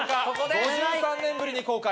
５３年ぶりに公開。